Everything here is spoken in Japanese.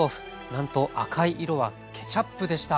なんと赤い色はケチャップでした。